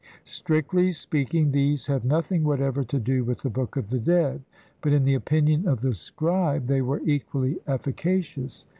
Strictly speaking, these have nothing whatever to do with the Book of the Dead, but in the opinion of the scribe they were equally efficacious.